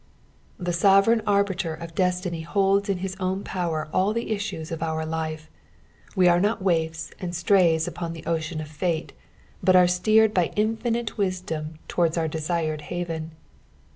The sovereign arbiter of destiny holds in his own power all the issues of our life ; we are not waifs and straps upon the ocean of fate, but are steered by infinite wisdom towards our desucd haven.